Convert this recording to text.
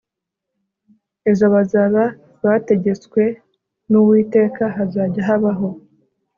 izo bazaba bategetswe n uwiteka hazajya habaho